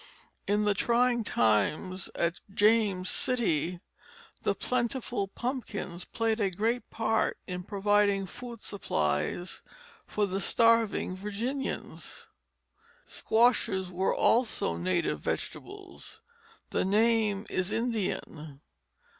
In the trying times at "James Citty," the plentiful pumpkins played a great part in providing food supplies for the starving Virginians. Squashes were also native vegetables. The name is Indian.